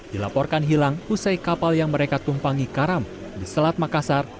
dilaporkan hilang usai kapal yang mereka tumpangi karam di selat makassar